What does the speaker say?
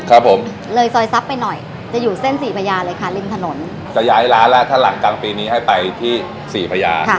ครับผมเลยซอยทรัพย์ไปหน่อยจะอยู่เส้นสี่พญาเลยค่ะริมถนนจะย้ายร้านแล้วถ้าหลังกลางปีนี้ให้ไปที่สี่พญาค่ะ